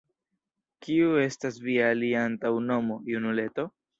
kiu estas via alia antaŭnomo, junuleto?